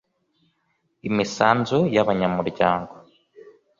imisanzu y abanya muryango